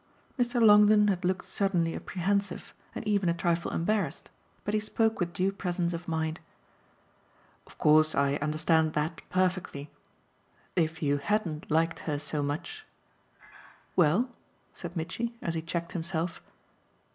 Mr. Longdon had looked suddenly apprehensive and even a trifle embarrassed, but he spoke with due presence of mind. "Of course I understand that perfectly. If you hadn't liked her so much " "Well?" said Mitchy as he checked himself.